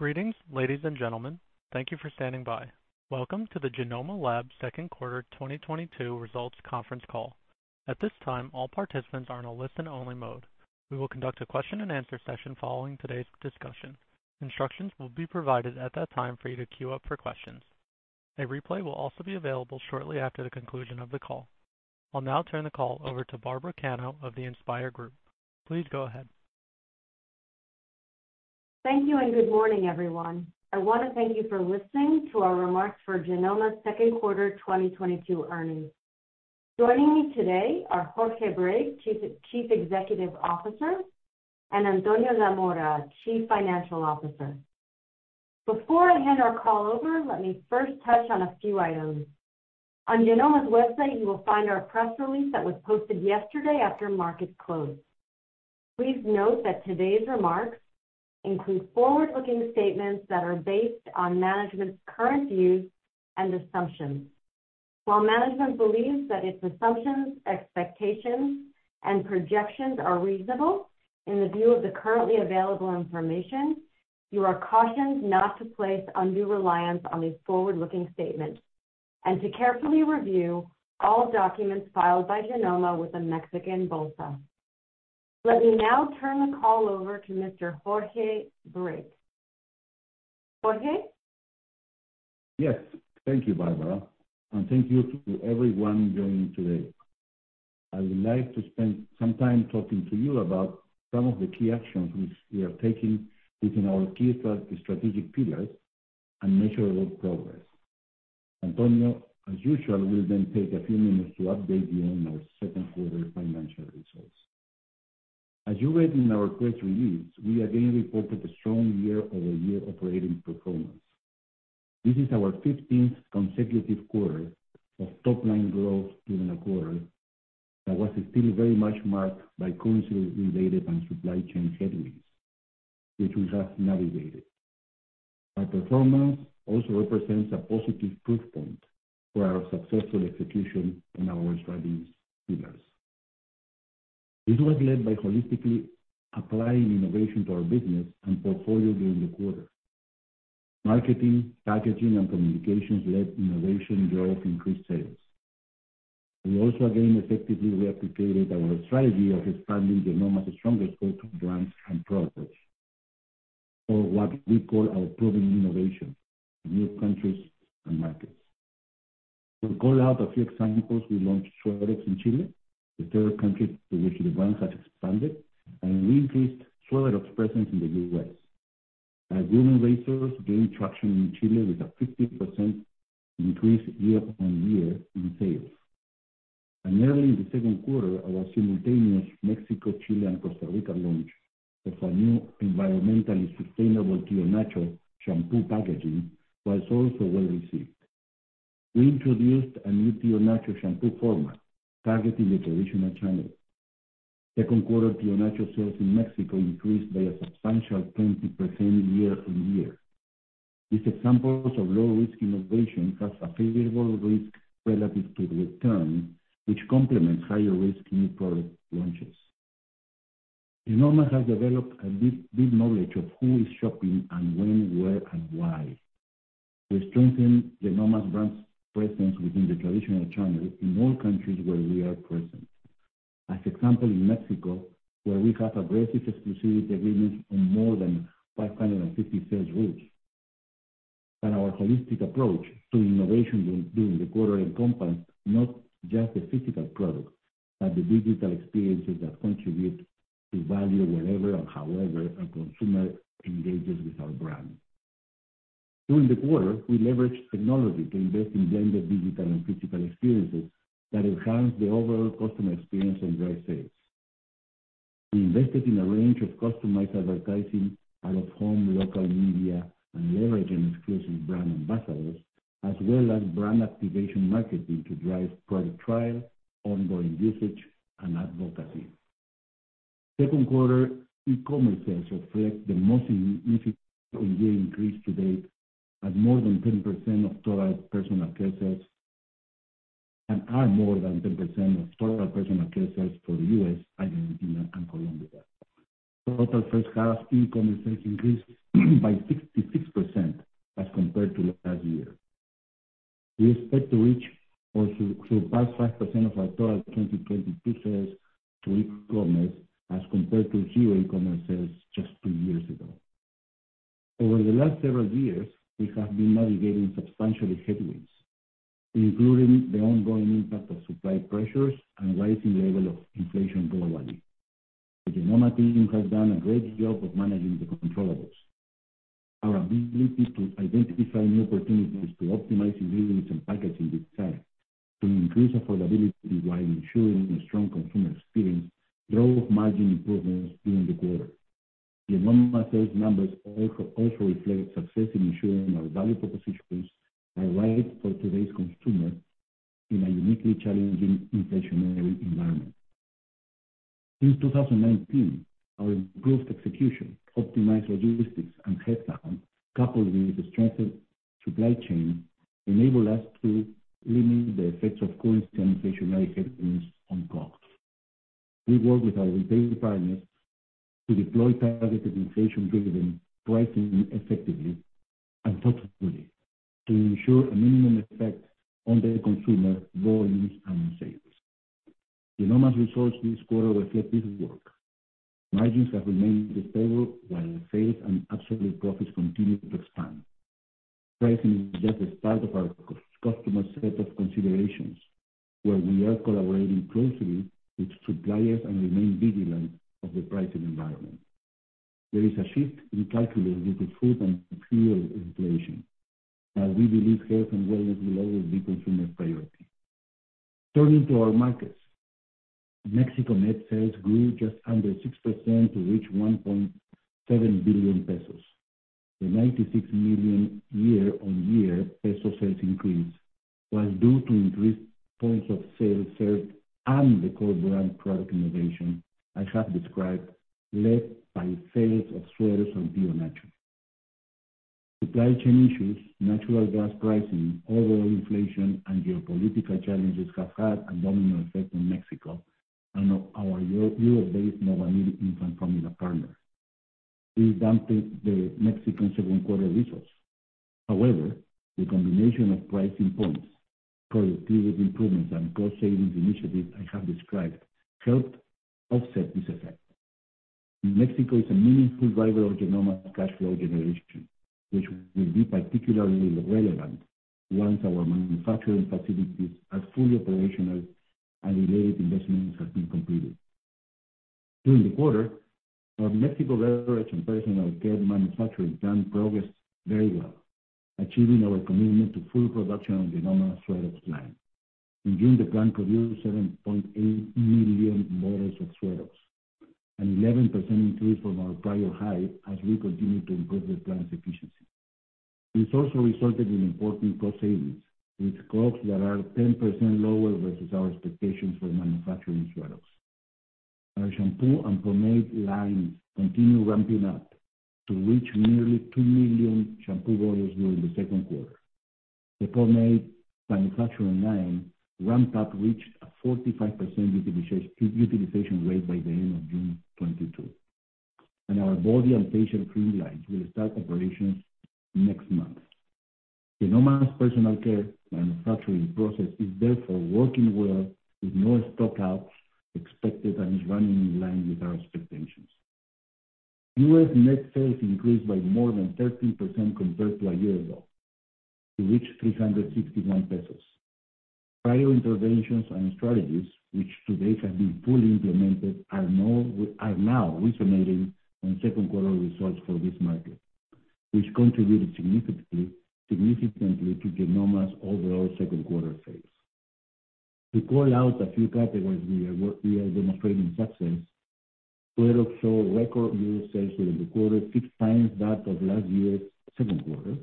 Greetings, ladies and gentlemen. Thank you for standing by. Welcome to the Genomma Lab Q2 2022 results conference call. At this time, all participants are in a listen only mode. We will conduct a question and answer session following today's discussion. Instructions will be provided at that time for you to queue up for questions. A replay will also be available shortly after the conclusion of the call. I'll now turn the call over to Barbara Cano of the InspIR Group. Please go ahead. Thank you and good morning, everyone. I wanna thank you for listening to our remarks for Genomma Q2 2022 earnings. Joining me today are Jorge Brake, Chief Executive Officer, and Antonio Zamora Galland, Chief Financial Officer. Before I hand our call over, let me first touch on a few items. On Genomma's website, you will find our press release that was posted yesterday after market closed. Please note that today's remarks include forward-looking statements that are based on management's current views and assumptions. While management believes that its assumptions, expectations and projections are reasonable in view of the currently available information, you are cautioned not to place undue reliance on these forward-looking statements and to carefully review all documents filed by Genomma with the Mexican Bolsa. Let me now turn the call over to Mr. Jorge Brake. Jorge? Yes. Thank you, Barbara, and thank you to everyone joining today. I would like to spend some time talking to you about some of the key actions which we are taking within our key strategic pillars and measurable progress. Antonio, as usual, will then take a few minutes to update you on our Q2 financial results. As you read in our press release, we again reported a strong year-over-year operating performance. This is our fifteenth consecutive quarter of top line growth in a quarter that was still very much marked by currency related and supply chain headwinds, which we have navigated. Our performance also represents a positive proof point for our successful execution on our strategy pillars. This was led by holistically applying innovation to our business and portfolio during the quarter. Marketing, packaging, and communications led innovation growth increased sales. We also again effectively replicated our strategy of expanding Genomma's strongest portfolio brands and products, or what we call our proven innovation in new countries and markets. To call out a few examples, we launched Suerox in Chile, the third country to which the brands have expanded, and we increased Suerox presence in the U.S. Our Women Razors gained traction in Chile with a 50% increase year-on-year in sales. Early in the Q2, our simultaneous Mexico, Chile, and Costa Rica launch of our new environmentally sustainable Tío Nacho shampoo packaging was also well received. We introduced a new Tío Nacho shampoo format targeting the traditional channel. Q2 Tío Nacho sales in Mexico increased by a substantial 20% year-on-year. These examples of low risk innovation has a favorable risk relative to the return, which complements higher risk new product launches. Genomma has developed a deep knowledge of who is shopping and when, where and why. We strengthen Genomma's brand's presence within the traditional channel in all countries where we are present. For example in Mexico, where we have aggressive exclusivity agreements on more than 550 sales routes. Our holistic approach to innovation during the quarter encompass not just the physical product, but the digital experiences that contribute to value wherever and however a consumer engages with our brand. During the quarter, we leveraged technology to invest in blended digital and physical experiences that enhance the overall customer experience and drive sales. We invested in a range of customized advertising, out of home local media, and leveraging exclusive brand ambassadors, as well as brand activation marketing to drive product trial, ongoing usage, and advocacy. Q2 e-commerce sales reflect the most significant year increase to date and more than 10% of total personal care sales, and are more than 10% of total personal care sales for the U.S. and Colombia. Total first half e-commerce sales increased by 66% as compared to last year. We expect to reach or surpass 5% of our total 2022 sales through e-commerce as compared to 0 e-commerce sales just two years ago. Over the last several years, we have been navigating substantial headwinds, including the ongoing impact of supply pressures and rising level of inflation globally. The Genomma team has done a great job of managing the controllables. Our ability to identify new opportunities to optimize ingredients and packaging design to increase affordability while ensuring a strong consumer experience drove margin improvements during the quarter. Genomma sales numbers also reflect success in ensuring our value propositions are right for today's consumer in a uniquely challenging inflationary environment. Since 2019, our improved execution, optimized logistics and headcount, coupled with a strengthened supply chain, enabled us to limit the effects of currency and inflationary headwinds on costs. We work with our retail partners to deploy targeted inflation-driven pricing effectively and thoughtfully to ensure a minimum effect on the consumer volumes and sales. Genomma's results this quarter reflect this work. Margins have remained stable while sales and absolute profits continue to expand. Pricing is just a part of our customer set of considerations, where we are collaborating closely with suppliers and remain vigilant of the pricing environment. There is a shift in calculating the food and fuel inflation, but we believe health and wellness will always be consumer priority. Turning to our markets. Mexico net sales grew just under 6% to reach 1.7 billion pesos. The 96 million year-on-year peso sales increase was due to increased points of sale served and the core brand product innovation I have described, led by sales of Suerox and Bio Natural. Supply chain issues, natural gas pricing, overall inflation, and geopolitical challenges have had a domino effect on Mexico and our Euro-based Novamil infant formula partner. We dampened the Mexican Q2 results. However, the combination of pricing points, productivity improvements, and cost savings initiatives I have described helped offset this effect. Mexico is a meaningful driver of Genomma's cash flow generation, which will be particularly relevant once our manufacturing facilities are fully operational and related investments have been completed. During the quarter, our Mexico beverage and personal care manufacturing plant progressed very well, achieving our commitment to full production of Genomma's Suerox line. In June, the plant produced 7.8 million bottles of Suerox, an 11% increase from our prior high as we continue to improve the plant's efficiency. This also resulted in important cost savings, with costs that are 10% lower versus our expectations for manufacturing Suerox. Our shampoo and pomade lines continue ramping up to reach nearly 2 million shampoo bottles during the Q2. The pomade manufacturing line ramp-up reached a 45% utilization rate by the end of June 2022. Our body and facial cream lines will start operations next month. Genomma's personal care manufacturing process is therefore working well, with no stockouts expected, and is running in line with our expectations. US net sales increased by more than 13% compared to a year ago to reach 361 pesos. Prior interventions and strategies, which to date have been fully implemented, are now resonating on Q2 results for this market, which contributed significantly to Genomma's overall Q2 sales. To call out a few categories we are demonstrating success. Suerox saw record US sales during the quarter, 6 times that of last year's Q2.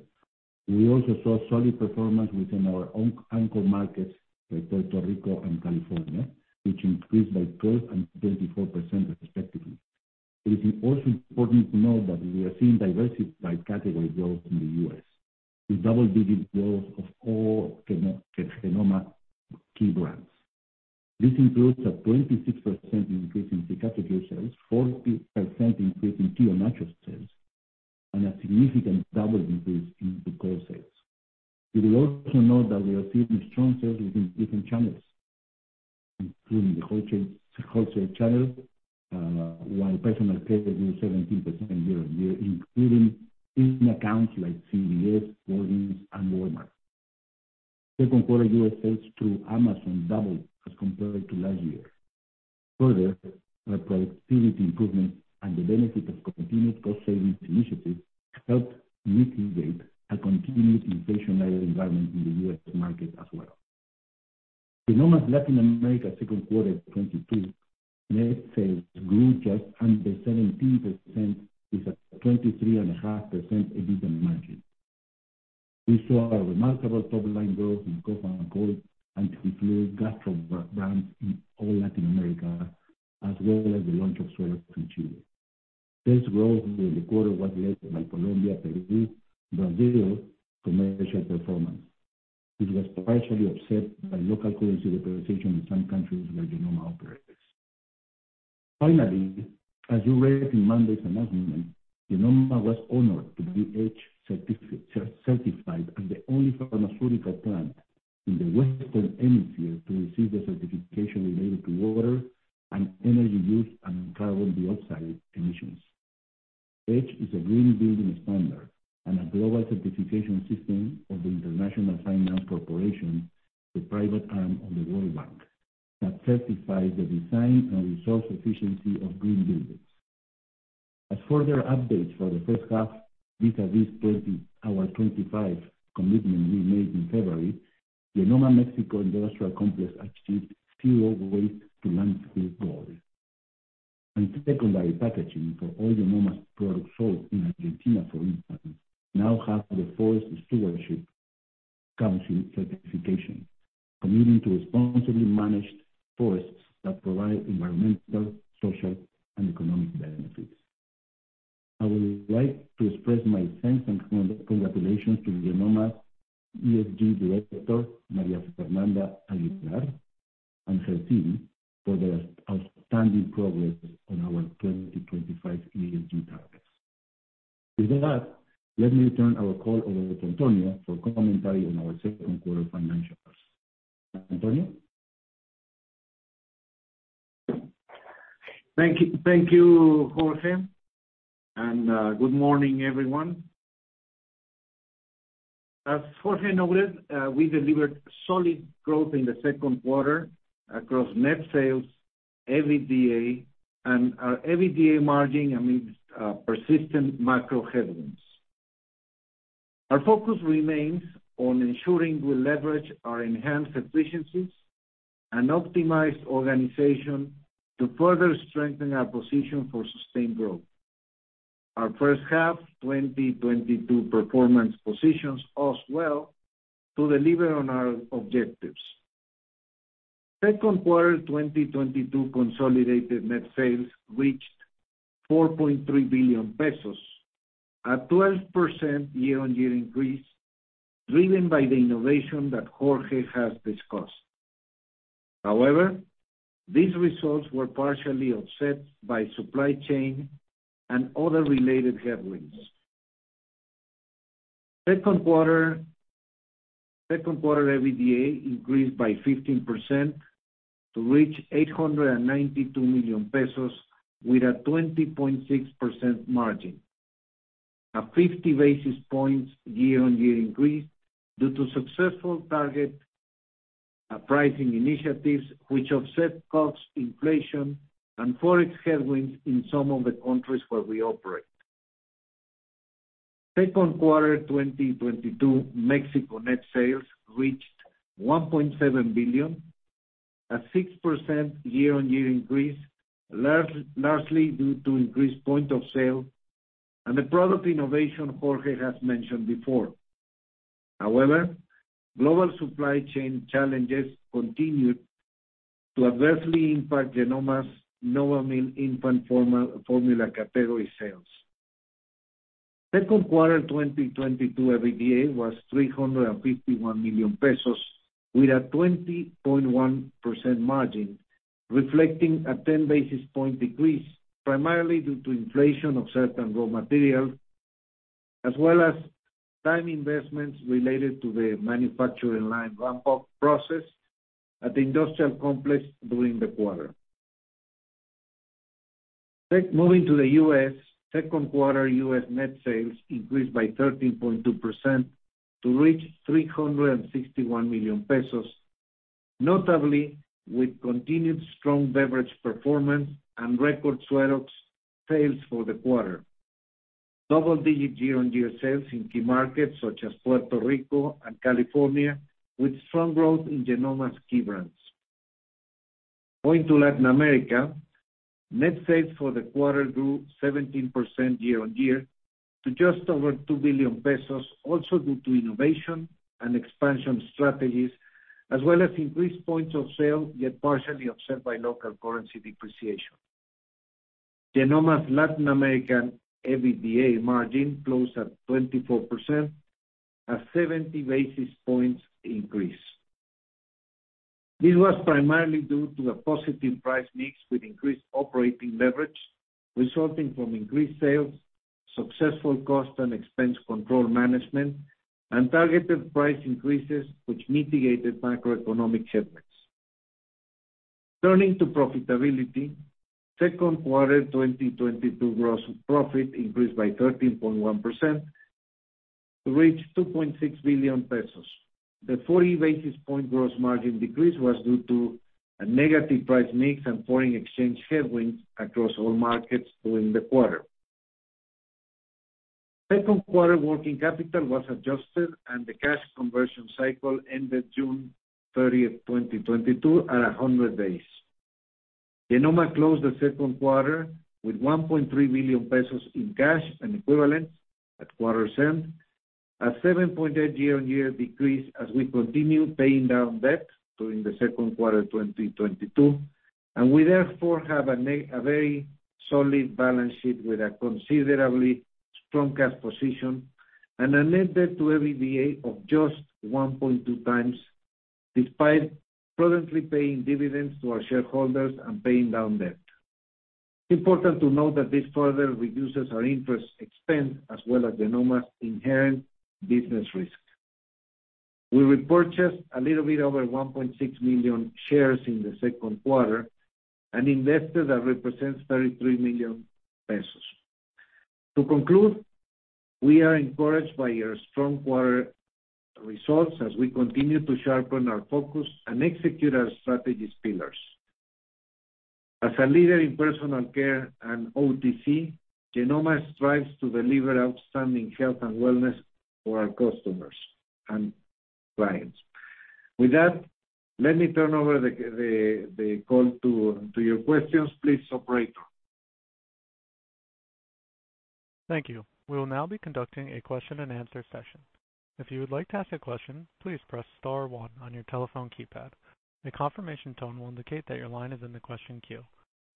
We also saw solid performance within our own anchor markets like Puerto Rico and California, which increased by 12% and 24% respectively. It is also important to note that we are seeing diversity by category growth in the US, with double-digit growth of all Genomma key brands. This includes a 26% increase in Picot sales, 14% increase in Bio Natural sales, and a significant double increase in Tukol sales. We will also note that we are seeing strong sales within different channels, including the wholesale channel, while personal care grew 17% year-on-year, including key accounts like CVS, Walgreens, and Walmart. Q2 US sales through Amazon doubled as compared to last year. Further, our productivity improvements and the benefit of continued cost savings initiatives helped mitigate a continued inflationary environment in the US market as well. Genomma's Latin America Q2 2022 net sales grew just under 17% with a 23.5% EBITDA margin. We saw a remarkable top-line growth in cough, and cold, and flu Gastro brands in all Latin America, as well as the launch of Suerox in Chile. Sales growth during the quarter was led by Colombia, Peru, Brazil commercial performance. This was partially offset by local currency depreciation in some countries where Genomma operates. Finally, as you read in Monday's announcement, Genomma was honored to be EDGE certified as the only pharmaceutical plant in the Western Hemisphere to receive the certification related to water and energy use and carbon dioxide emissions. EDGE is a green building standard and a global certification system of the International Finance Corporation, the private arm of the World Bank, that certifies the design and resource efficiency of green buildings. As further updates for the first half, vis-a-vis our 25 commitment we made in February, Genomma Mexico industrial complex achieved zero waste to landfill goal. Secondary packaging for all Genomma's products sold in Argentina, for instance, now have the Forest Stewardship Council certification, committing to responsibly managed forests that provide environmental, social, and economic benefits. I would like to express my thanks and congratulations to Genomma's ESG director, María Fernanda Aguilar, and her team for their outstanding progress on our 2025 ESG targets. With that, let me turn our call over to Antonio for commentary on our Q2 financials. Antonio? Thank you, Jorge, and good morning, everyone. As Jorge noted, we delivered solid growth in the Q2 across net sales, EBITDA, and our EBITDA margin amidst persistent macro headwinds. Our focus remains on ensuring we leverage our enhanced efficiencies and optimized organization to further strengthen our position for sustained growth. Our first half 2022 performance positions us well to deliver on our objectives. Q2 2022 consolidated net sales reached 4.3 billion pesos, a 12% year-on-year increase driven by the innovation that Jorge has discussed. However, these results were partially offset by supply chain and other related headwinds. Q2 EBITDA increased by 15% to reach 892 million pesos with a 20.6% margin. A 50 basis points year-on-year increase due to successful target pricing initiatives which offset cost inflation and FOREX headwinds in some of the countries where we operate. Q2 2022 Mexico net sales reached 1.7 billion, a 6% year-on-year increase, largely due to increased point of sale and the product innovation Jorge has mentioned before. However, global supply chain challenges continued to adversely impact Genomma's Novamil infant formula category sales. Q2 2022 EBITDA was 351 million pesos with a 20.1% margin, reflecting a 10 basis points decrease, primarily due to inflation of certain raw materials, as well as time investments related to the manufacturing line ramp up process at the industrial complex during the quarter. Moving to the US, Q2 US net sales increased by 13.2% to reach 361 million pesos, notably with continued strong beverage performance and record Suerox sales for the quarter. Double-digit year-on-year sales in key markets such as Puerto Rico and California, with strong growth in Genomma's key brands. Going to Latin America, net sales for the quarter grew 17% year-on-year to just over 2 billion pesos, also due to innovation and expansion strategies as well as increased points of sale, yet partially offset by local currency depreciation. Genomma's Latin American EBITDA margin closed at 24%, a 70 basis points increase. This was primarily due to a positive price mix with increased operating leverage resulting from increased sales, successful cost and expense control management, and targeted price increases which mitigated macroeconomic headwinds. Turning to profitability, Q2 2022 gross profit increased by 13.1% to reach 2.6 billion pesos. The 40 basis point gross margin decrease was due to a negative price mix and foreign exchange headwinds across all markets during the quarter. Q2 working capital was adjusted and the cash conversion cycle ended June 30th, 2022 at 100 days. Genomma closed Q2 with 1.3 billion pesos in cash and equivalents at quarter-end, a 7.8% year-on-year decrease as we continue paying down debt during Q2 2022, and we therefore have a very solid balance sheet with a considerably strong cash position and a net debt to EBITDA of just 1.2x, despite prudently paying dividends to our shareholders and paying down debt. Important to note that this further reduces our interest expense as well as Genomma's inherent business risk. We repurchased a little bit over 1.6 million shares in the Q2 and that represents 33 million pesos. To conclude, we are encouraged by our strong quarter results as we continue to sharpen our focus and execute our strategy's pillars. As a leader in personal care and OTC, Genomma strives to deliver outstanding health and wellness for our customers and clients. With that, let me turn over the call to your questions, please operator. Thank you. We will now be conducting a question and answer session. If you would like to ask a question, please press star one on your telephone keypad. A confirmation tone will indicate that your line is in the question queue.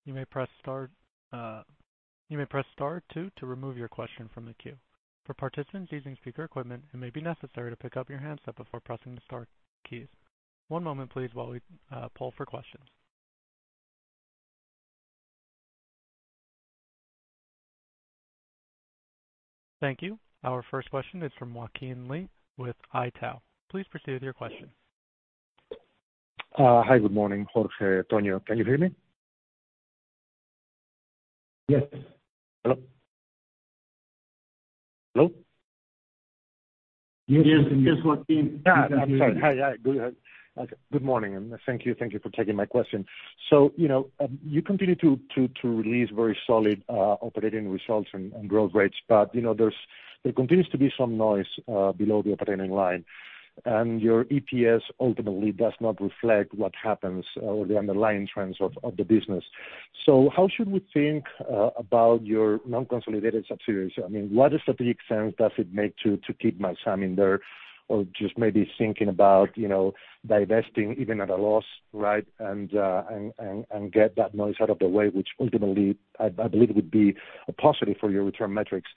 You may press star, you may press star two to remove your question from the queue. For participants using speaker equipment, it may be necessary to pick up your handset before pressing the star keys. One moment please while we poll for questions. Thank you. Our first question is from Joaquín Ley with Itaú. Please proceed with your question. Hi, good morning, Jorge, Toño. Can you hear me? Yes. Hello? Hello? Yes, yes, Joaquín. I'm sorry. Hi. Hi. Good. Okay, good morning, and thank you for taking my question. You know, you continue to release very solid operating results and growth rates, but you know, there continues to be some noise below the operating line. Your EPS ultimately does not reflect what happens or the underlying trends of the business. How should we think about your non-consolidated subsidiaries? I mean, what strategic sense does it make to keep Marzam in there? Or just maybe thinking about, you know, divesting even at a loss, right? And get that noise out of the way, which ultimately, I believe would be a positive for your return metrics.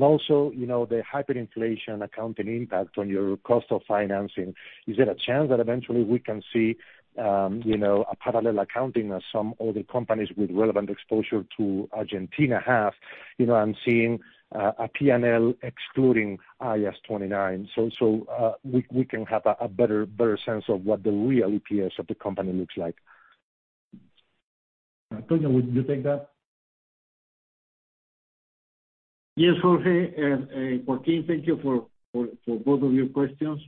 Also, you know, the hyperinflation accounting impact on your cost of financing, is there a chance that eventually we can see, you know, a parallel accounting as some other companies with relevant exposure to Argentina have, you know, and seeing a P&L excluding IAS 29, so we can have a better sense of what the real EPS of the company looks like? Tonio, would you take that? Yes, Jorge and Joaquín, thank you for both of your questions.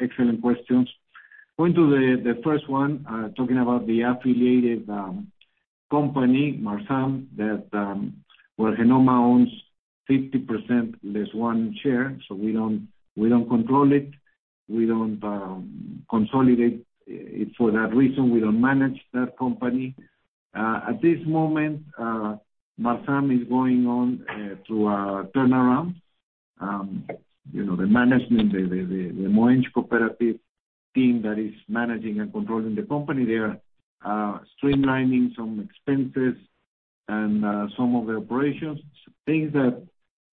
Excellent questions. Going to the first one, talking about the affiliated company, Marzam, that where Genomma owns 50% less one share. We don't control it. We don't consolidate. It's for that reason, we don't manage that company. At this moment, Marzam is going through a turnaround. You know, the management, the Moench cooperative team that is managing and controlling the company, they are streamlining some expenses and some of the operations, things that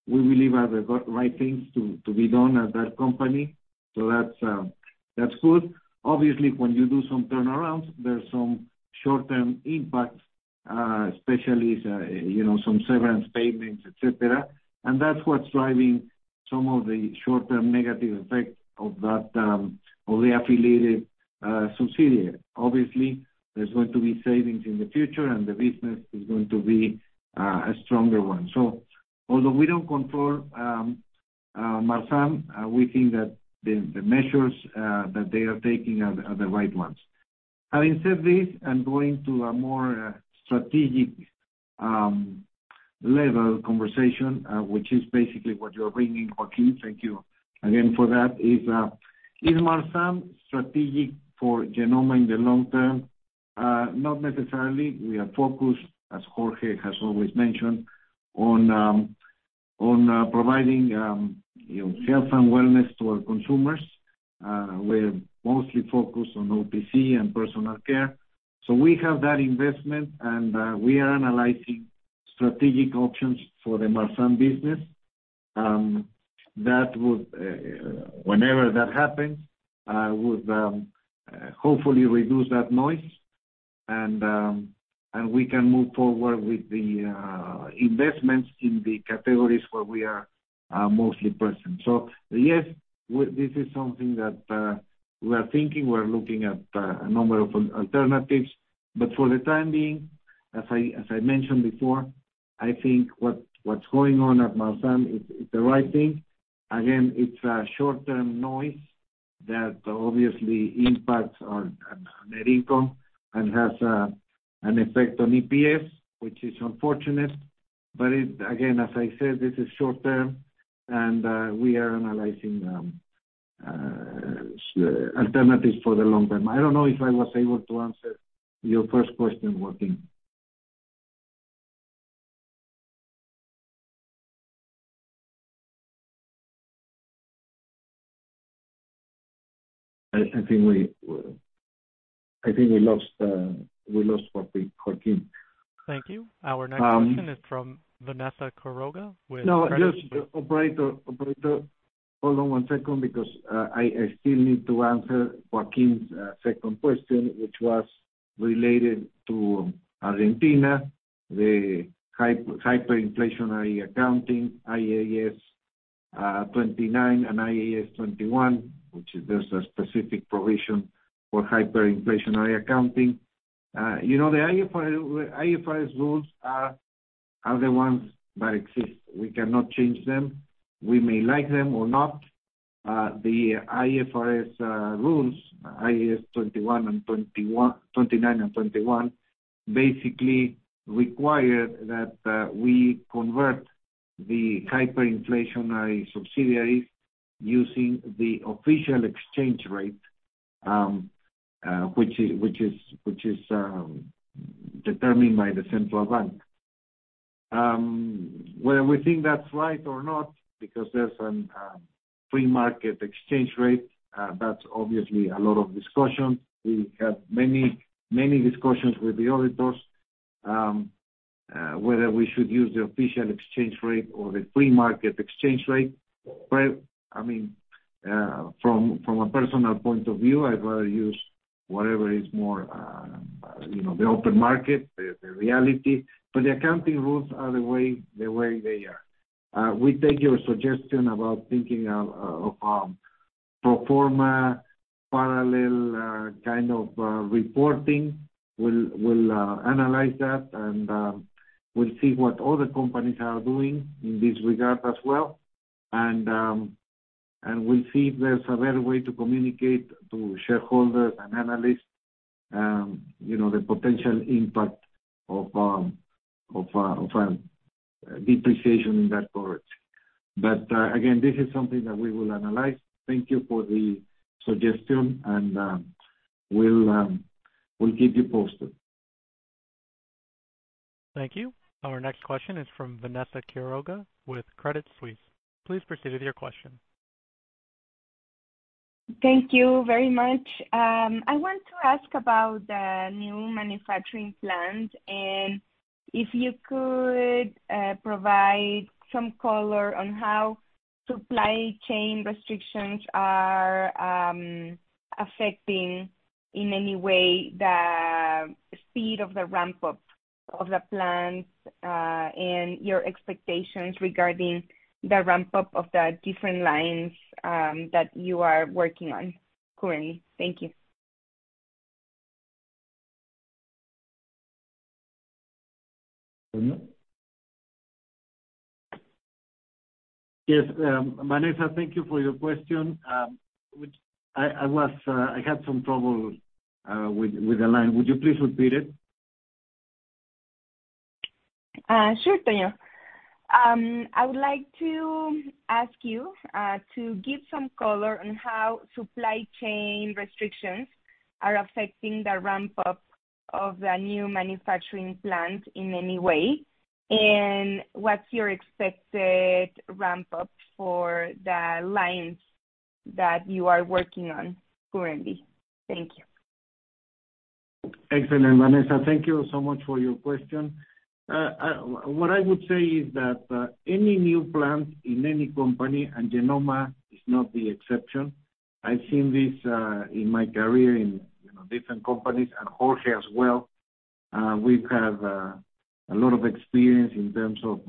we believe are the right things to be done at that company. That's good. Obviously, when you do some turnarounds, there's some short-term impacts, especially, you know, some severance payments, et cetera. That's what's driving some of the short-term negative effects of that, of the affiliated, subsidiary. Obviously, there's going to be savings in the future and the business is going to be a stronger one. Although we don't control Marzam, we think that the measures that they are taking are the right ones. Having said this, I'm going to a more strategic level conversation, which is basically what you're bringing, Joaquín. Thank you again for that. Is Marzam strategic for Genomma in the long term? Not necessarily. We are focused, as Jorge has always mentioned, on providing, you know, health and wellness to our consumers. We're mostly focused on OTC and personal care. We have that investment and we are analyzing strategic options for the Marzam business. That would, whenever that happens, hopefully reduce that noise and we can move forward with the investments in the categories where we are mostly present. Yes, this is something that we are thinking, we're looking at a number of alternatives. For the time being, as I mentioned before, I think what's going on at Marzam is the right thing. Again, it's a short-term noise that obviously impacts our net income and has an effect on EPS, which is unfortunate. It, again, as I said, this is short term and we are analyzing alternatives for the long term. I don't know if I was able to answer your first question, Joaquín. I think we lost Joaquín. Thank you. Our next question. Um- is from Vanessa Quiroga with No, just operator, hold on one second because I still need to answer Joaquín's second question, which was related to Argentina, the hyperinflationary accounting, IAS 29 and IAS 21, which is, there's a specific provision for hyperinflationary accounting. You know, the IFRS rules are the ones that exist. We cannot change them. We may like them or not. The IFRS rules, IAS 21 and 29, basically require that we convert the hyperinflationary subsidiaries using the official exchange rate, which is determined by the central bank. Well, we think that's right or not because there's a free market exchange rate that's obviously a lot of discussion. We have many, many discussions with the auditors whether we should use the official exchange rate or the free market exchange rate. I mean, from a personal point of view, I'd rather use whatever is more you know, the open market, the reality. The accounting rules are the way they are. We take your suggestion about thinking of pro forma parallel kind of reporting. We'll analyze that and we'll see what other companies are doing in this regard as well. We'll see if there's a better way to communicate to shareholders and analysts you know, the potential impact of a depreciation in that currency. Again, this is something that we will analyze. Thank you for the suggestion, we'll keep you posted. Thank you. Our next question is from Vanessa Quiroga with Credit Suisse. Please proceed with your question. Thank you very much. I want to ask about the new manufacturing plant and if you could provide some color on how supply chain restrictions are affecting in any way the speed of the ramp-up of the plant and your expectations regarding the ramp-up of the different lines that you are working on currently. Thank you. Yes. Vanessa, thank you for your question, which I was with the line. Would you please repeat it? Sure, Toño. I would like to ask you to give some color on how supply chain restrictions are affecting the ramp-up of the new manufacturing plant in any way, and what's your expected ramp-up for the lines that you are working on currently? Thank you. Excellent, Vanessa. Thank you so much for your question. What I would say is that any new plant in any company, and Genomma is not the exception. I've seen this in my career in, you know, different companies and Jorge as well. We have a lot of experience in terms of,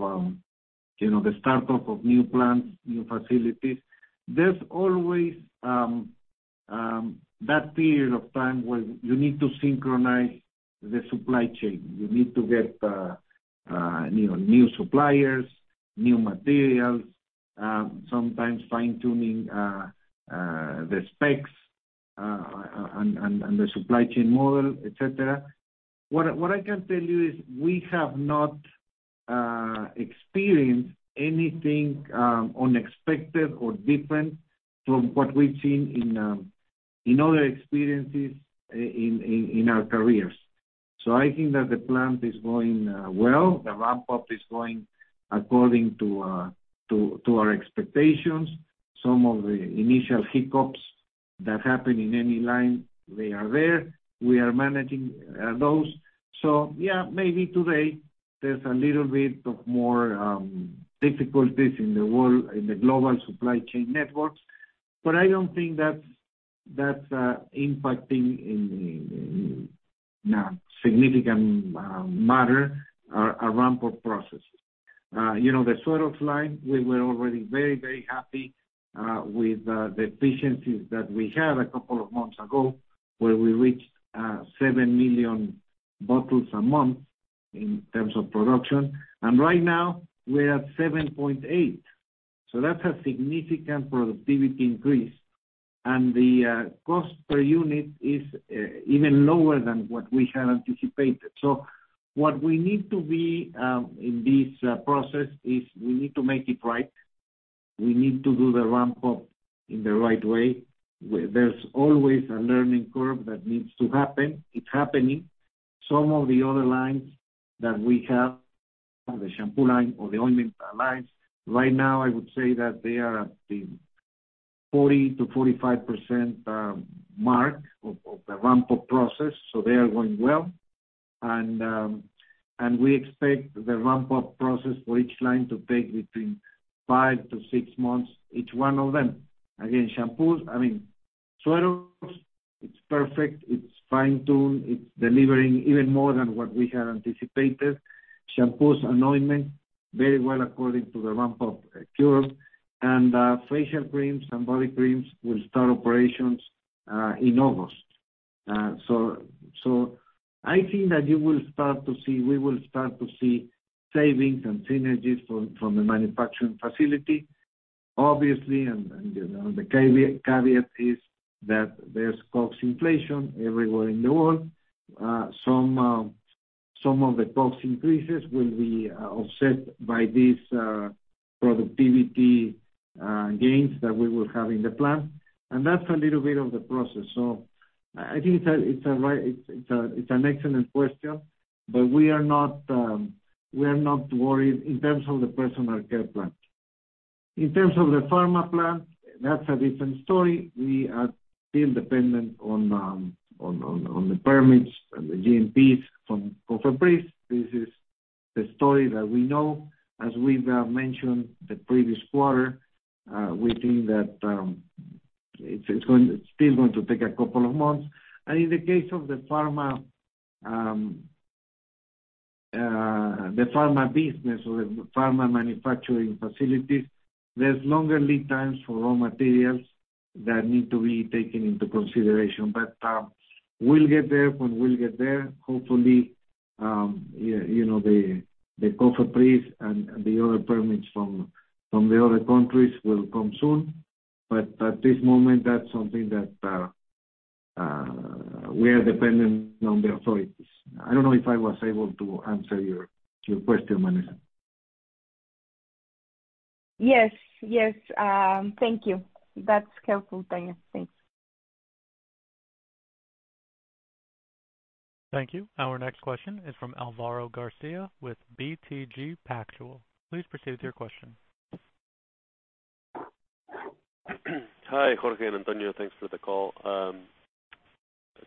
you know, the startup of new plants, new facilities. There's always that period of time where you need to synchronize the supply chain. You need to get, you know, new suppliers, new materials, sometimes fine-tuning the specs on the supply chain model, et cetera. What I can tell you is we have not experienced anything unexpected or different from what we've seen in other experiences in our careers. I think that the plant is going well. The ramp-up is going according to our expectations. Some of the initial hiccups that happen in any line, they are there. We are managing those. Yeah, maybe today there's a little bit of more difficulties in the world, in the global supply chain networks. I don't think that's impacting in a significant manner our ramp-up processes. You know, the sort of line we were already very, very happy with the efficiencies that we had a couple of months ago, where we reached 7 million bottles a month in terms of production. Right now, we're at 7.8. That's a significant productivity increase. The cost per unit is even lower than what we had anticipated. What we need to be in this process is we need to make it right. We need to do the ramp-up in the right way. There's always a learning curve that needs to happen. It's happening. Some of the other lines that we have, the shampoo line or the ointment lines, right now, I would say that they are at the 40%-45% mark of the ramp-up process, so they are going well. We expect the ramp-up process for each line to take between 5-6 months, each one of them. Again, shampoos, I mean, suelo, it's perfect, it's fine-tuned, it's delivering even more than what we had anticipated. Shampoos and ointments, very well according to the ramp-up curve. Facial creams and body creams will start operations in August. I think that you will start to see, we will start to see savings and synergies from the manufacturing facility, obviously. You know, the caveat is that there's COGS inflation everywhere in the world. Some of the COGS increases will be offset by this productivity gains that we will have in the plant. That's a little bit of the process. I think it's an excellent question, but we are not worried in terms of the personal care plant. In terms of the pharma plant, that's a different story. We are still dependent on the permits, on the GMPs from COFEPRIS. This is the story that we know. As we've mentioned the previous quarter, we think that it's still going to take a couple of months. In the case of the pharma business or the pharma manufacturing facilities, there's longer lead times for raw materials that need to be taken into consideration. We'll get there when we'll get there. Hopefully, you know, the COFEPRIS and the other permits from the other countries will come soon. At this moment, that's something that we are dependent on the authorities. I don't know if I was able to answer your question, Vanessa. Yes. Thank you. That's helpful, thanks. Thank you. Our next question is from Alvaro Garcia with BTG Pactual. Please proceed with your question. Hi, Jorge and Antonio. Thanks for the call. A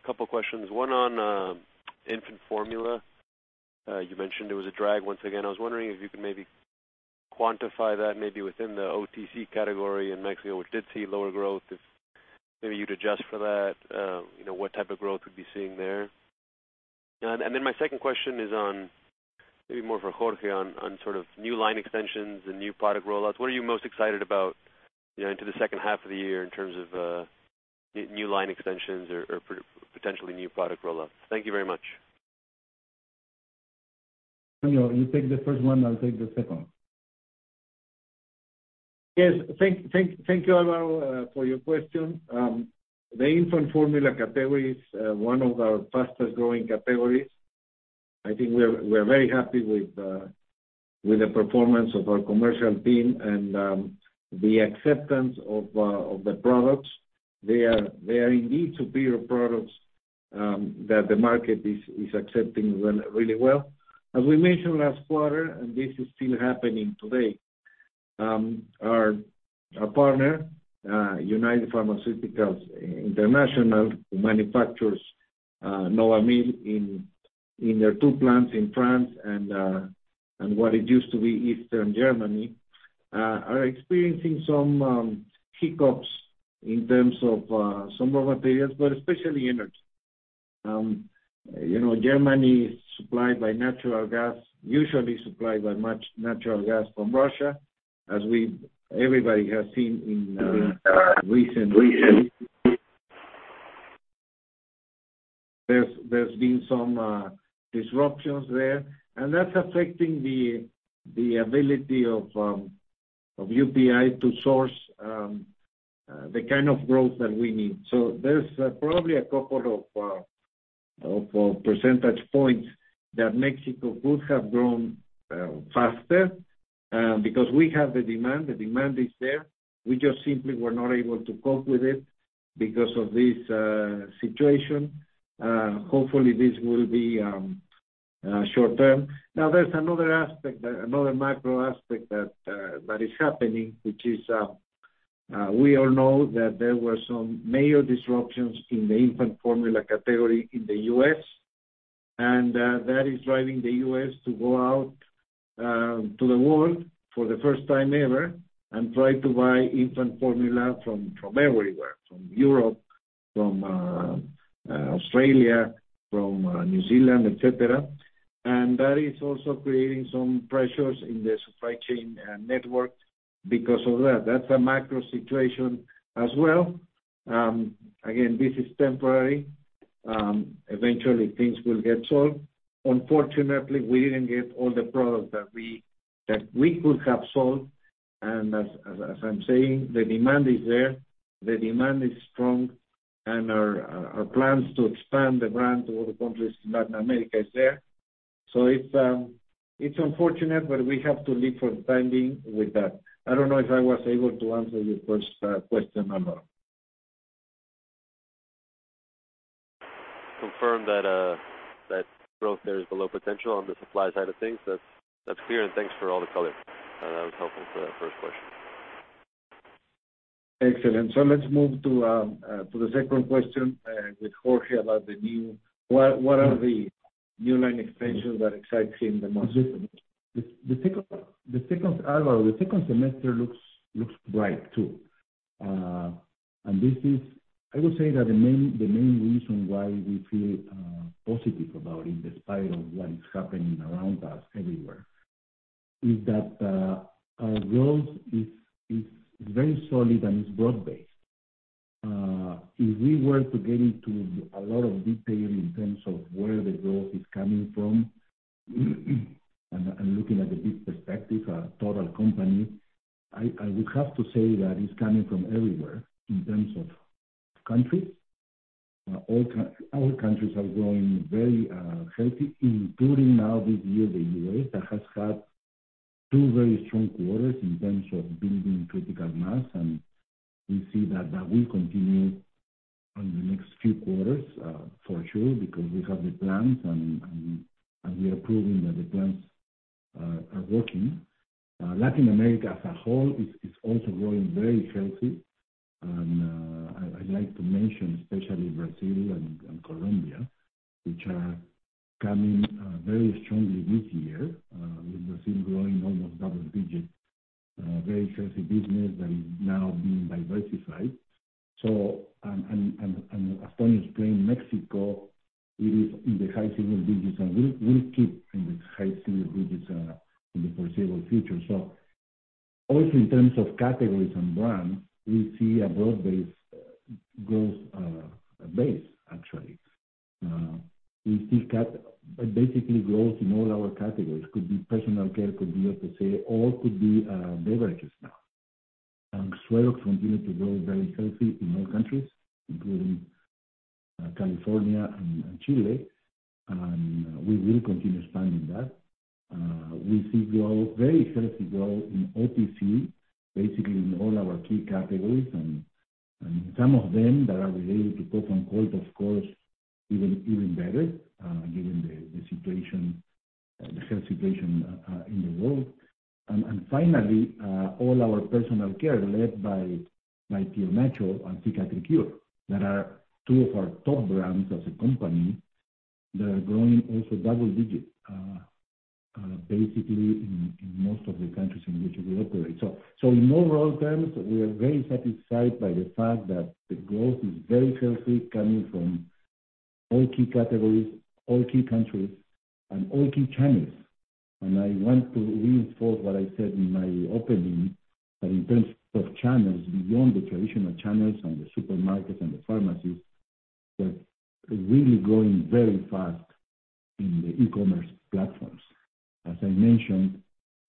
couple questions. One on infant formula. You mentioned there was a drag once again. I was wondering if you could maybe quantify that maybe within the OTC category in Mexico, which did see lower growth. If maybe you'd adjust for that, you know, what type of growth we'd be seeing there? My second question is on maybe more for Jorge on sort of new line extensions and new product rollouts. What are you most excited about, you know, into the second half of the year in terms of new line extensions or potentially new product rollouts? Thank you very much. You take the first one, I'll take the second. Yes. Thank you, Álvaro, for your question. The infant formula category is one of our fastest-growing categories. I think we're very happy with the performance of our commercial team and the acceptance of the products. They are indeed superior products that the market is accepting really well. As we mentioned last quarter, and this is still happening today, our partner, United Pharmaceuticals, who manufactures Novamil in their two plants in France and what used to be East Germany, are experiencing some hiccups in terms of some raw materials, but especially energy. You know, Germany is supplied by natural gas, usually supplied by much natural gas from Russia. Everybody has seen in recent weeks there's been some disruptions there, and that's affecting the ability of UPI to source the kind of growth that we need. There's probably a couple of percentage points that Mexico could have grown faster because we have the demand. The demand is there. We just simply were not able to cope with it because of this situation. Hopefully this will be short-term. Now, there's another aspect, another macro aspect that is happening, which is, we all know that there were some major disruptions in the infant formula category in the U.S., and that is driving the U.S. to go out to the world for the first time ever and try to buy infant formula from everywhere, from Europe, from Australia, from New Zealand, et cetera. That is also creating some pressures in the supply chain network because of that. That's a macro situation as well. Again, this is temporary. Eventually things will get solved. Unfortunately, we didn't get all the products that we could have sold, and as I'm saying, the demand is there. The demand is strong, and our plans to expand the brand to other countries in Latin America is there. It's unfortunate, but we have to live for the time being with that. I don't know if I was able to answer your first question or not. Confirm that that growth there is below potential on the supply side of things. That's clear, and thanks for all the color. That was helpful for that first question. Excellent. Let's move to the second question with Jorge. What are the new line extensions that excites him the most? Alvaro, the second semester looks bright too. This is, I would say, the main reason why we feel positive about it despite of what is happening around us everywhere, is that our growth is very solid and is broad-based. If we were to get into a lot of detail in terms of where the growth is coming from, and looking at the big perspective, our total company, I would have to say that it's coming from everywhere in terms of countries. All countries are growing very healthy, including now this year, the U.S. that has had two very strong quarters in terms of building critical mass. We see that that will continue on the next few quarters, for sure, because we have the plans and we are proving that the plans are working. Latin America as a whole is also growing very healthy. I'd like to mention especially Brazil and Colombia, which are coming very strongly this year, with Brazil growing almost double digits, very healthy business that is now being diversified. As Toño explained, Mexico, it is in the high single digits, and we'll keep in the high single digits in the foreseeable future. Also in terms of categories and brands, we see a broad-based growth, actually. We see basically growth in all our categories. Could be personal care, could be OTC or could be beverages now. Suerox continues to grow very healthy in all countries, including California and Chile. We will continue expanding that. We see growth, very healthy growth in OTC, basically in all our key categories and some of them that are related to cough and cold, of course, even better, given the situation, the health situation in the world. Finally, all our personal care led by Bio Natural and Cicatricure, that are two of our top brands as a company that are growing also double digits, basically in most of the countries in which we operate. In overall terms, we are very satisfied by the fact that the growth is very healthy, coming from all key categories, all key countries and all key channels. I want to reinforce what I said in my opening, that in terms of channels beyond the traditional channels and the supermarkets and the pharmacies, that really growing very fast in the e-commerce platforms. As I mentioned,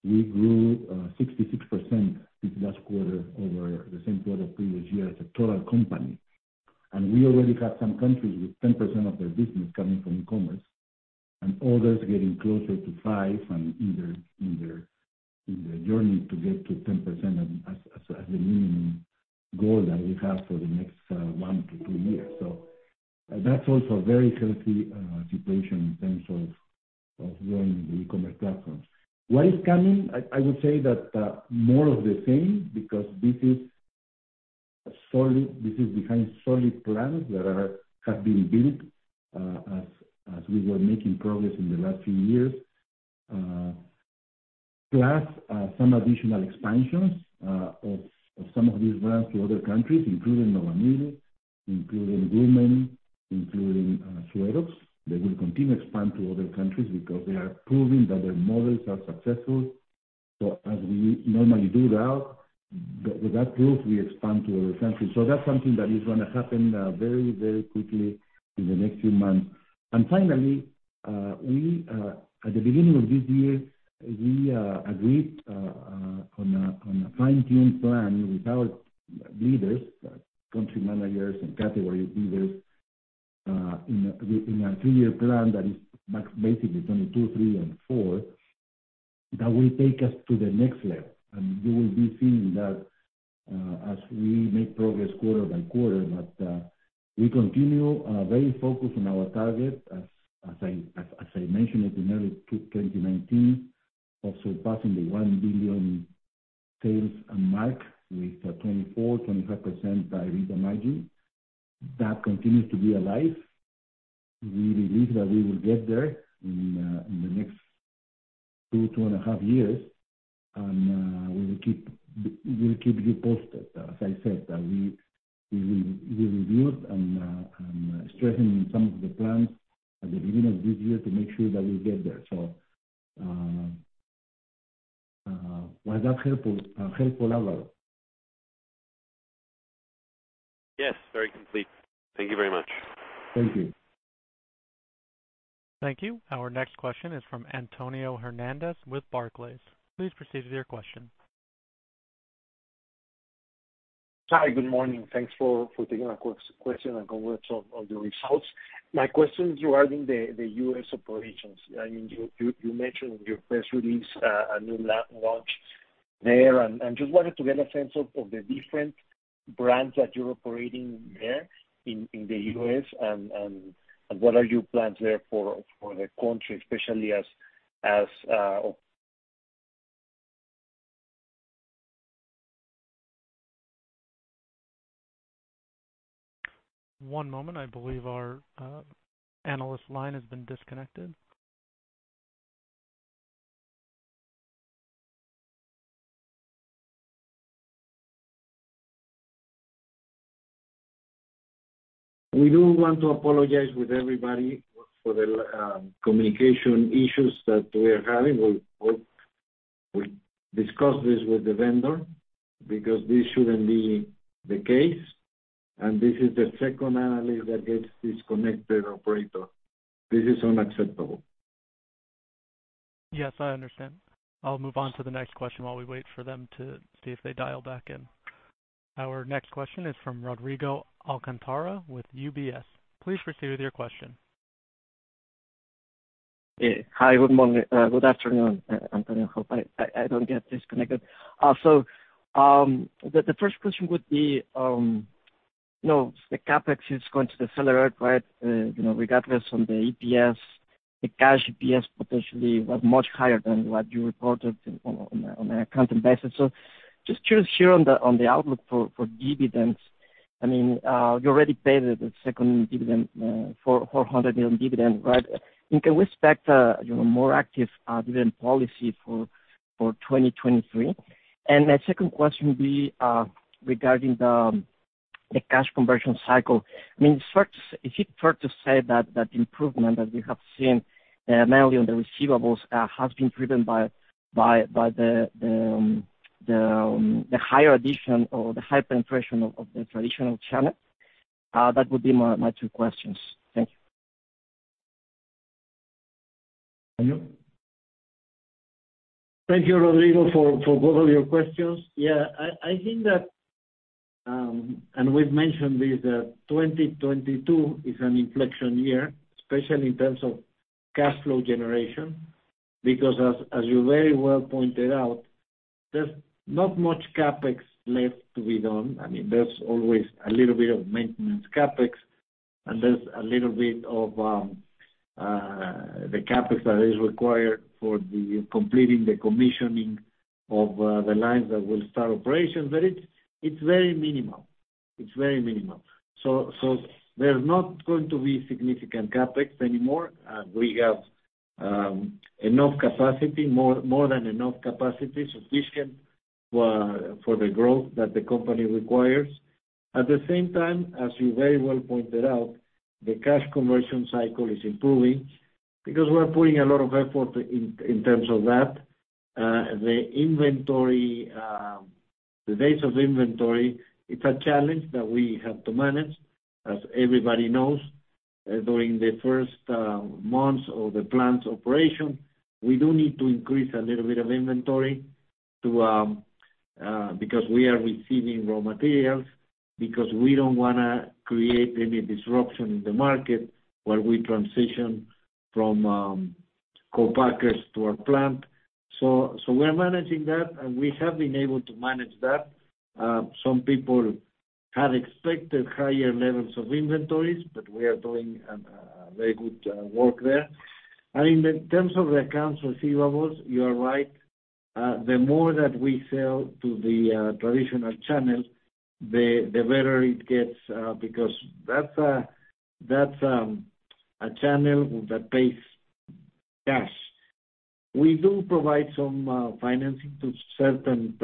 we grew 66% this last quarter over the same quarter previous year as a total company. We already have some countries with 10% of their business coming from e-commerce and others getting closer to 5% and in their journey to get to 10% as the minimum goal that we have for the next 1 to 2 years. That's also very healthy situation in terms of growing the e-commerce platforms. What is coming? I would say that more of the same, because this is behind solid plans that have been built as we were making progress in the last few years. Plus some additional expansions of some of these brands to other countries, including Novamil, including Groomen, including Suerox. They will continue to expand to other countries because they are proving that their models are successful. As we normally do that, with that growth, we expand to other countries. That's something that is gonna happen very, very quickly in the next few months. Finally, at the beginning of this year, we agreed on a fine-tuned plan with our leaders, country managers and category leaders, in a three-year plan that is basically 2022, 2023 and 2024, that will take us to the next level. You will be seeing that as we make progress quarter by quarter. We continue very focused on our target as I mentioned at the early 2019 of surpassing the 1 billion sales mark with a 24%-25% EBITDA margin. That continues to be alive. We believe that we will get there in the next two and a half years. We will keep you posted. As I said, that we reviewed and strengthened some of the plans at the beginning of this year to make sure that we get there. Was that helpful, Alvaro? Yes, very complete. Thank you very much. Thank you. Thank you. Our next question is from Antonio Hernandez with Barclays. Please proceed with your question. Hi, good morning. Thanks for taking our question and congrats on your results. My question regarding the U.S. operations. I mean, you mentioned in your press release a new launch there and just wanted to get a sense of the different brands that you're operating there in the U.S. and what are your plans there for the country, especially as. One moment. I believe our analyst line has been disconnected. We do want to apologize with everybody for the communication issues that we are having. We discuss this with the vendor because this shouldn't be the case. This is the second analyst that gets disconnected, operator. This is unacceptable. Yes, I understand. I'll move on to the next question while we wait for them to see if they dial back in. Our next question is from Rodrigo Alcantara with UBS. Please proceed with your question. Yeah. Hi, good morning, good afternoon, Antonio. Hope I don't get disconnected. The first question would be, you know, the CapEx is going to accelerate, right, you know, regardless of the EPS, the cash EPS potentially was much higher than what you reported on an accounting basis. Just curious here on the outlook for dividends. I mean, you already paid the second dividend, 400 million dividend, right? Can we expect, you know, more active dividend policy for 2023? My second question would be, regarding the cash conversion cycle. I mean, is it fair to say that improvement that we have seen mainly on the receivables has been driven by the higher addition or the high penetration of the traditional channel? That would be my two questions. Thank you. Thank you, Rodrigo, for both of your questions. Yeah, I think that we've mentioned this, that 2022 is an inflection year, especially in terms of cash flow generation, because as you very well pointed out, there's not much CapEx left to be done. I mean, there's always a little bit of maintenance CapEx, and there's a little bit of the CapEx that is required for completing the commissioning of the lines that will start operations. It's very minimal. There's not going to be significant CapEx anymore. We have enough capacity, more than enough capacity, sufficient for the growth that the company requires. At the same time, as you very well pointed out, the cash conversion cycle is improving because we're putting a lot of effort in terms of that. The inventory, the days of inventory, it's a challenge that we have to manage, as everybody knows. During the first months of the plant's operation, we do need to increase a little bit of inventory to, because we are receiving raw materials, because we don't wanna create any disruption in the market while we transition from co-packers to our plant. So we're managing that, and we have been able to manage that. Some people had expected higher levels of inventories, but we are doing very good work there. In terms of accounts receivable, you are right. The more that we sell to the traditional channel, the better it gets, because that's a channel that pays cash. We do provide some financing to certain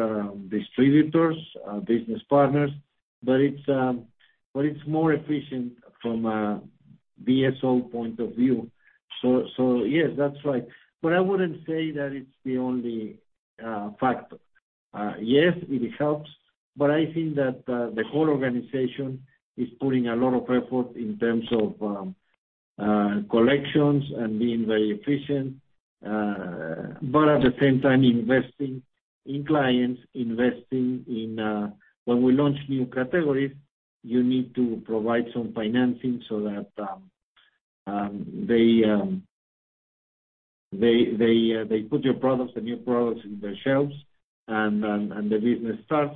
distributors, business partners, but it's more efficient from a DSO point of view. Yes, that's right. I wouldn't say that it's the only factor. Yes, it helps, but I think that the whole organization is putting a lot of effort in terms of collections and being very efficient, but at the same time investing in clients, investing in when we launch new categories, you need to provide some financing so that they put your products, the new products in their shelves and the business starts.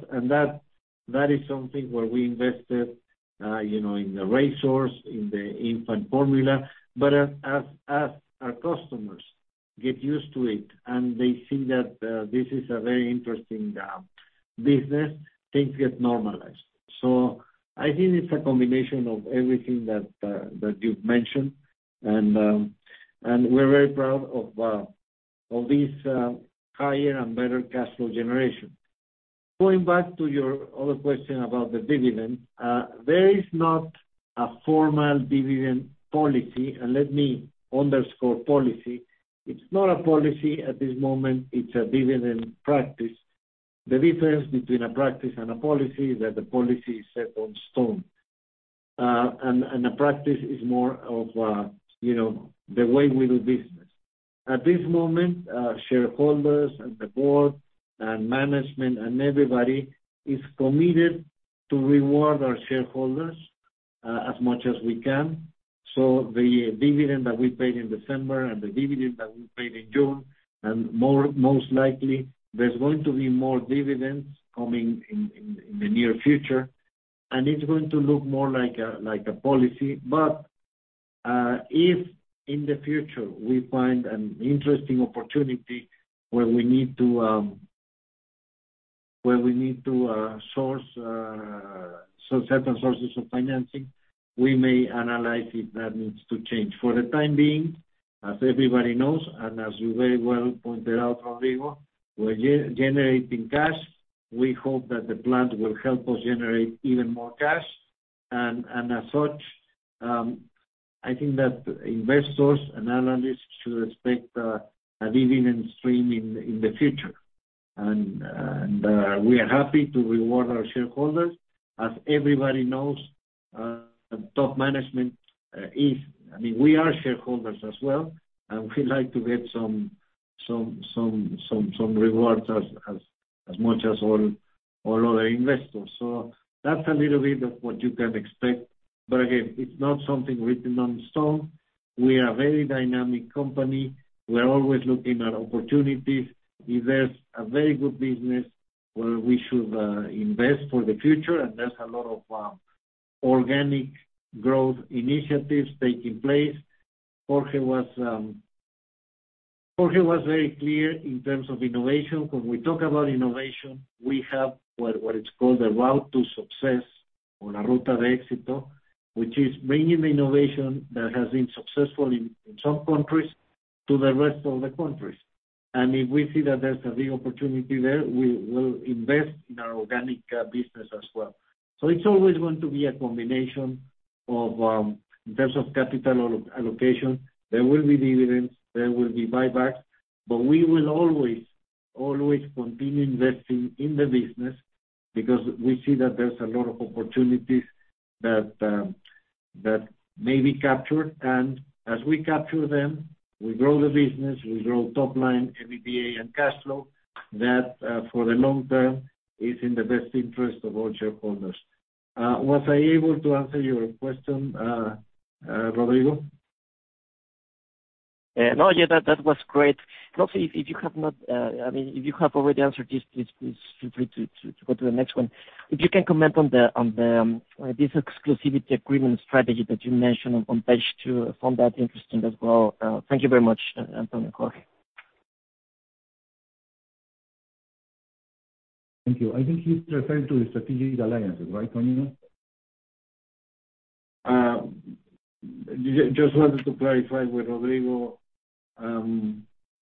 That is something where we invested in the Novamil, in the infant formula. As our customers get used to it and they see that this is a very interesting business, things get normalized. I think it's a combination of everything that you've mentioned. We're very proud of this higher and better cash flow generation. Going back to your other question about the dividend, there is not a formal dividend policy. Let me underscore policy. It's not a policy at this moment, it's a dividend practice. The difference between a practice and a policy is that the policy is set in stone, and a practice is more of a the way we do business. At this moment, shareholders and the board and management and everybody is committed to reward our shareholders as much as we can. The dividend that we paid in December and the dividend that we paid in June, and more, most likely there's going to be more dividends coming in the near future, and it's going to look more like a policy. If in the future we find an interesting opportunity where we need to source some certain sources of financing, we may analyze if that needs to change. For the time being, as everybody knows, and as you very well pointed out, Rodrigo, we're generating cash. We hope that the plant will help us generate even more cash. As such, I think that investors and analysts should expect a dividend stream in the future. We are happy to reward our shareholders. As everybody knows, top management, I mean, we are shareholders as well, and we like to get some rewards as much as all other investors. That's a little bit of what you can expect. Again, it's not something written in stone. We are a very dynamic company. We are always looking at opportunities. If there's a very good business where we should invest for the future, and there's a lot of organic growth initiatives taking place. Jorge was very clear in terms of innovation. When we talk about innovation, we have what is called a route to success or La Ruta de Éxito, which is bringing innovation that has been successful in some countries to the rest of the countries. If we see that there's a big opportunity there, we will invest in our organic business as well. It's always going to be a combination of in terms of capital allocation. There will be dividends, there will be buybacks, but we will always continue investing in the business because we see that there's a lot of opportunities that may be captured. As we capture them, we grow the business, we grow top line, EBITDA, and cash flow. That, for the long term, is in the best interest of all shareholders. Was I able to answer your question, Rodrigo? No. Yeah, that was great. Also, if you have not, I mean, if you have already answered this, please feel free to go to the next one. If you can comment on the this exclusivity agreement strategy that you mentioned on page two. I found that interesting as well. Thank you very much, Antonio and Jorge. Thank you. I think he's referring to the strategic alliances, right, Antonio? Just wanted to clarify with Rodrigo.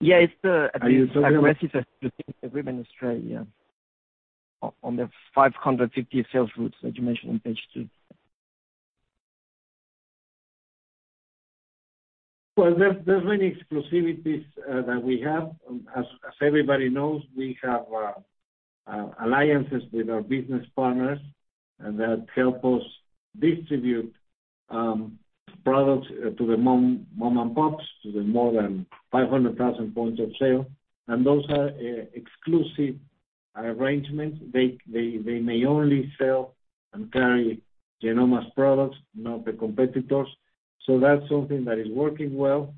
Yeah, it's. Are you talking about? The rest is a strategic agreement in Australia on the 550 sales routes that you mentioned on page two. Well, there's many exclusivities that we have. As everybody knows, we have alliances with our business partners, and they help us distribute products to the mom-and-pops, to the more than 500,000 points of sale. Those are exclusive arrangements. They may only sell and carry Genomma's products, not the competitors. That's something that is working well,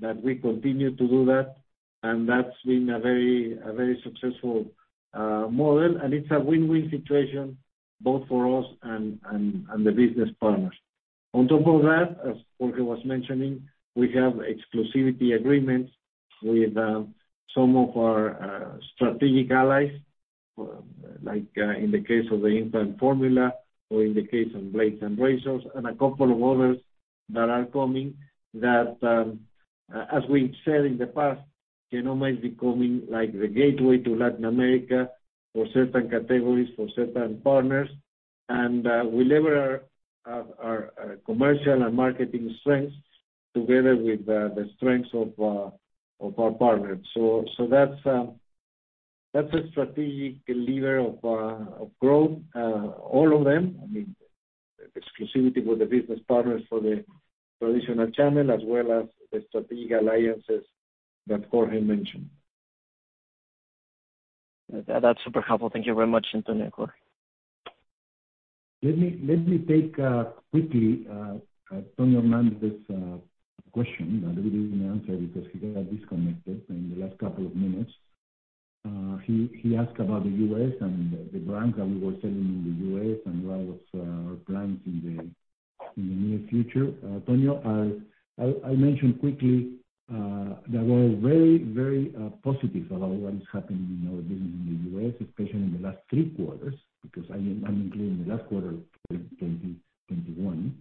that we continue to do that, and that's been a very successful model. It's a win-win situation both for us and the business partners. On top of that, as Jorge was mentioning, we have exclusivity agreements with some of our strategic allies, like in the case of the infant formula or in the case of blades and razors and a couple of others that are coming that, as we said in the past, Genomma is becoming like the gateway to Latin America for certain categories, for certain partners. We lever our commercial and marketing strengths together with the strengths of our partners. That's a strategic lever of growth. All of them, I mean, exclusivity with the business partners for the traditional channel as well as the strategic alliances that Jorge mentioned. That's super helpful. Thank you very much, Antonio and Jorge. Let me take quickly Antonio Hernández's question that we didn't answer because he got disconnected in the last couple of minutes. He asked about the US and the brands that we were selling in the US and what was our plans in the near future. Antonio, I'll mention quickly that we're very positive about what is happening in our business in the US, especially in the last three quarters, because I'm including the last quarter of 2021.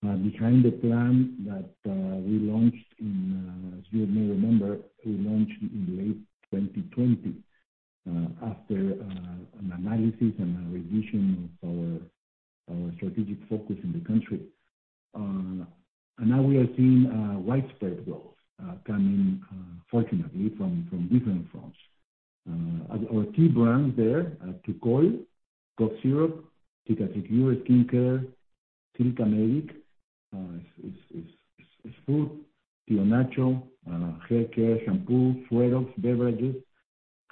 Behind the plan that we launched in, as you may remember, we launched in late 2020, after an analysis and a revision of our strategic focus in the country. Now we are seeing widespread growth coming fortunately from different fronts. Our key brands there, Tukol cough syrup, Cicatricure skincare, Silka Medic, Bio Natural, haircare, shampoo, Suerox beverages,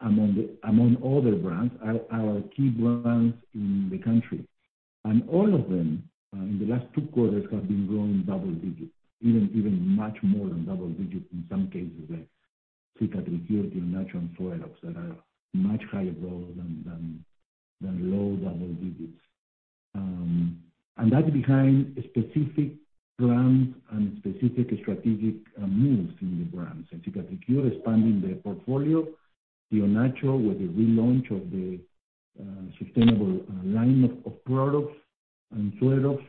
among other brands, are our key brands in the country. All of them in the last two quarters have been growing double digits, even much more than double digits in some cases like Cicatricure, Bio Natural, and Suerox that are much higher growth than low double digits. That's behind specific brands and specific strategic moves in the brands. Cicatricure expanding their portfolio, Bio Natural with the relaunch of the sustainable line of products, and Suerox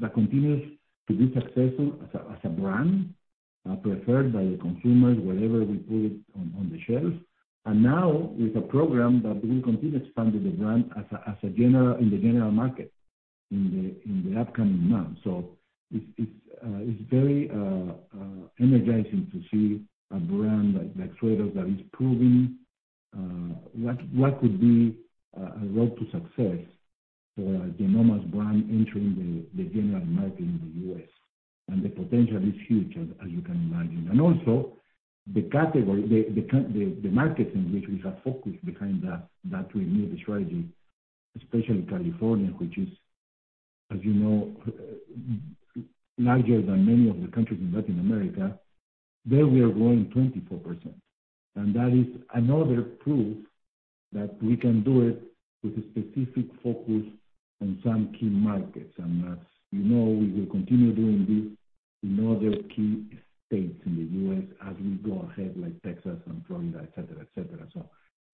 that continues to be successful as a brand preferred by the consumers wherever we put it on the shelves. Now with a program that will continue to expand the brand as a general in the general market. In the upcoming months. It's very energizing to see a brand like Suerox that is proving what could be a road to success for a Genomma Lab's brand entering the general market in the US. The potential is huge, as you can imagine. Also the category, the markets in which we have focused behind that renewed strategy, especially California, which is, as you know, larger than many of the countries in Latin America, there we are growing 24%. That is another proof that we can do it with a specific focus on some key markets. As you know, we will continue doing this in other key states in the U.S. as we go ahead, like Texas and Florida, et cetera, et cetera.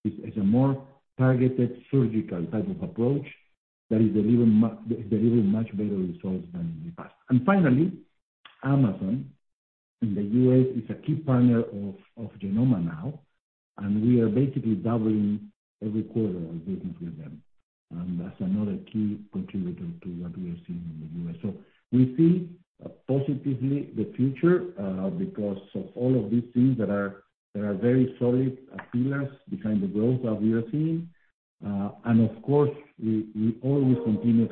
It's a more targeted surgical type of approach that is delivering much better results than in the past. Finally, Amazon in the U.S. is a key partner of Genomma now, and we are basically doubling every quarter our business with them. That's another key contributor to what we are seeing in the U.S. We see positively the future because of all of these things that are very solid pillars behind the growth that we are seeing. Of course, we always continue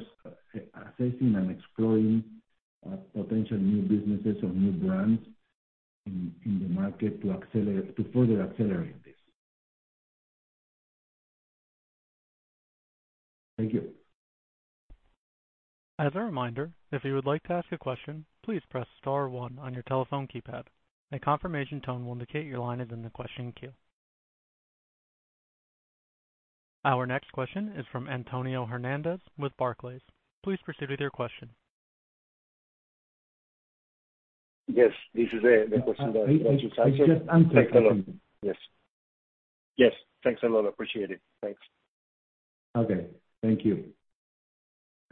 assessing and exploring potential new businesses or new brands in the market to further accelerate this. Thank you. As a reminder, if you would like to ask a question, please press star one on your telephone keypad. A confirmation tone will indicate your line is in the question queue. Our next question is from Antonio Hernandez with Barclays. Please proceed with your question. Yes, this is the question that you sent to us. It's just Antonio. Thanks a lot. Yes. Yes. Thanks a lot. Appreciate it. Thanks. Okay. Thank you.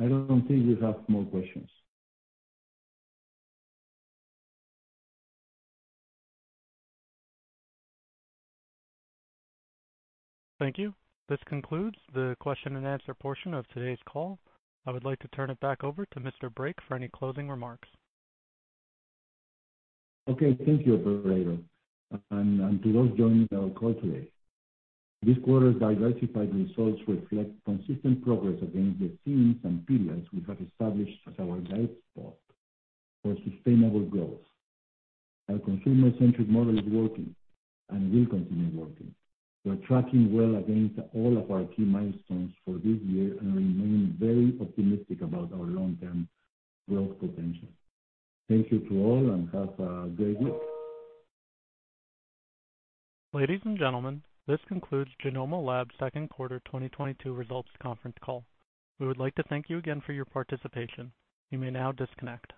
I don't think we have more questions. Thank you. This concludes the question and answer portion of today's call. I would like to turn it back over to Mr. Brake for any closing remarks. Okay. Thank you, operator, and to those joining our call today. This quarter's diversified results reflect consistent progress against the themes and pillars we have established as our guidepost for sustainable growth. Our consumer-centric model is working and will continue working. We're tracking well against all of our key milestones for this year and remain very optimistic about our long-term growth potential. Thank you to all, and have a great week. Ladies and gentlemen, this concludes Genomma Lab Q2 2022 results conference call. We would like to thank you again for your participation. You may now disconnect.